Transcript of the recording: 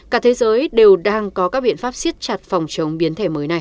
cả thế giới đều đang có các biện pháp siết chặt phòng chống biến thể mới này